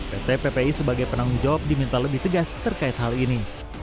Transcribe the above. pt ppi sebagai penanggung jawab diminta lebih tegas terkait hal ini